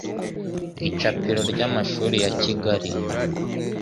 Icapiro ry'amashuri ya -Kigali